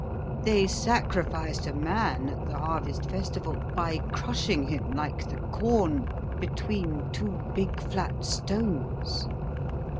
They sacrificed a man at the harvest festival by crushing him like the corn between two big flat stones.